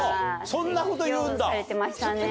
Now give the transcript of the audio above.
そんなこと言うんだ。